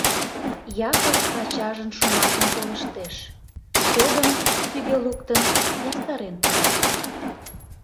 Япык ачажын шомакым колыштеш, подым, тӱгӧ луктын, ястарен пура.